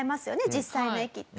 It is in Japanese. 実際の駅って。